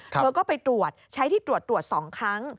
เธอก็ไปตรวจใช้ที่ตรวจตรวจ๒ครั้ง